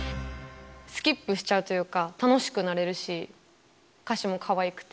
スキップしちゃうというか、楽しくなれるし、歌詞もかわいくて。